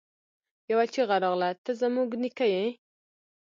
يوه چيغه راغله! ته زموږ نيکه يې!